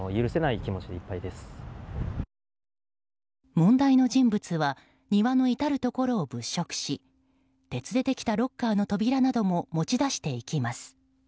問題の人物は庭の至るところを物色し鉄でできたロッカーの扉なども持ち出していきます。